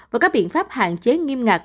và các biện pháp hạn chế nghiêm ngặt